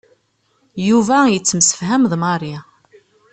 Yuba yettemsefham d Mary.